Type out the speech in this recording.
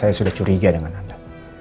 saya sudah curiga dengan anda